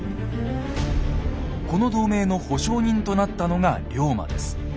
この同盟の保証人となったのが龍馬です。